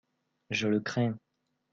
Je le crains.